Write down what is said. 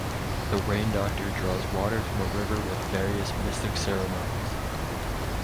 The rain-doctor draws water from a river with various mystic ceremonies.